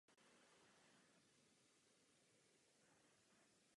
Důvodem ukončení činnosti byly náklady na jeho provoz.